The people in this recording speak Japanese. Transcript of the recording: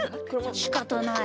しかたない。